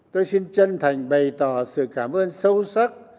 tôi xin chân thành bày tỏ sự cảm ơn sâu sắc